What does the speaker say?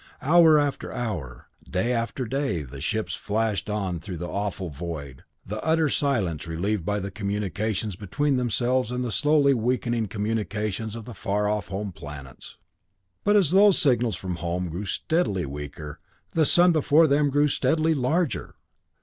Hour after hour, day after day the ships flashed on through the awful void, the utter silence relieved by the communications between themselves and the slowly weakening communications from the far off home planets. But as those signals from home grew steadily weaker, the sun before them grew steadily larger.